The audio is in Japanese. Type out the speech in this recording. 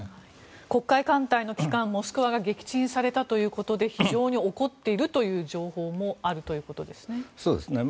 黒海艦隊の旗艦「モスクワ」が撃沈されたということで非常に怒っているという情報もあるということですね。